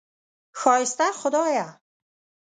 ښایسته خدایه!